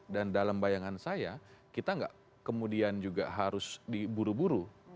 dan dalam bayangan saya kita enggak kemudian juga harus berharap